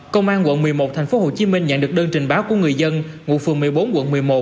công an quận một mươi một tp hcm nhận được đơn trình báo của người dân ngụ phường một mươi bốn quận một mươi một